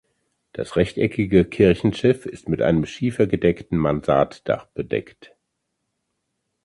Das rechteckige Kirchenschiff ist mit einem schiefergedeckten Mansarddach bedeckt.